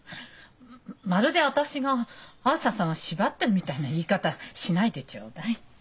まるで私があづささんを縛ってるみたいな言い方しないでちょうだい。